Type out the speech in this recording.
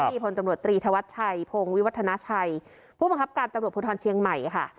ที่พตฤีธวัชชัยพวิวัฒนาชัยภูมิขับการตำรวจภูทรเชียงใหม่ค่ะ